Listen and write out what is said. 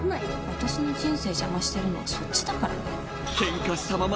私の人生邪魔してるのはそっちだからね。